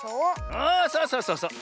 あそうそうそうそう。